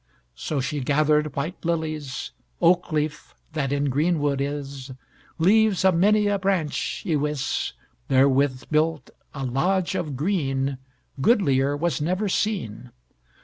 So she gathered white lilies, Oak leaf, that in greenwood is, Leaves of many a branch, iwis, Therewith built a lodge of green, Goodlier was never seen.